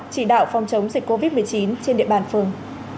chỉ đạo phòng chống dịch covid một mươi chín trên địa bàn phường